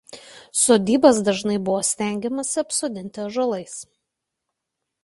Sodybas dažnai buvo stengiamasi apsodinti ąžuolais.